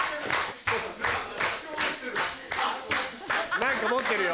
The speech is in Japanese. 何か持ってるよ。